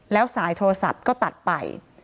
แล้วสายโทรศัพท์ก็ตัดไป